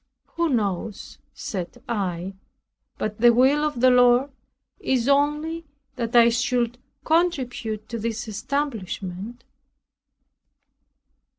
"Who knows," said I, "but the will of the Lord is only that I should contribute to this establishment?"